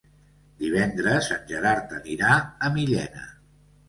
Divendres en Gerard anirà a Millena.